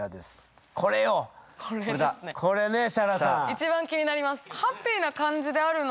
一番気になります。